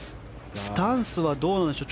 スタンスはどうなんでしょう。